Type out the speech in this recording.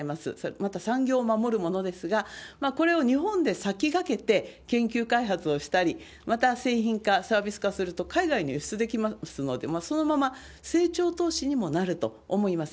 また、産業を守るものですが、これを日本で先駆けて研究開発をしたり、また、製品化、サービス化をすると、海外に輸出できますので、そのまま成長投資にもなると思います。